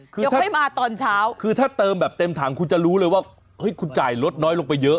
เดี๋ยวค่อยมาตอนเช้าคือถ้าเติมแบบเต็มถังคุณจะรู้เลยว่าเฮ้ยคุณจ่ายลดน้อยลงไปเยอะ